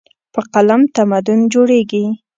په قلم تمدن جوړېږي.